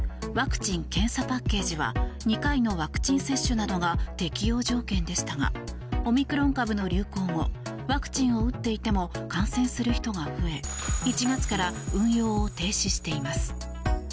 ワクチン・検査パッケージは２回のワクチン接種などが適用条件でしたがオミクロン株の流行後ワクチンを打っていても感染する人が増え１月から運用を停止しています。